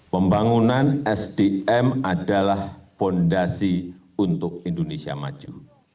pembangunan sdm adalah fondasi untuk indonesia maju